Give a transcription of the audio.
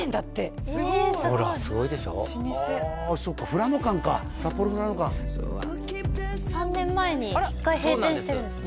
富良野間か札幌富良野間３年前に１回閉店してるんですね